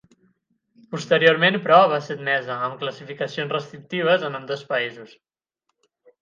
Posteriorment, però, va ser admesa, amb classificacions restrictives, en ambdós països.